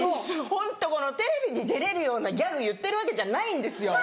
ホントテレビに出れるようなギャグ言ってるわけじゃないんですよ。